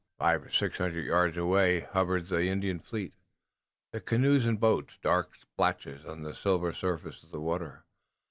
Five or six hundred yards away hovered the Indian fleet, the canoes and boats dark splotches upon the silver surface of the water.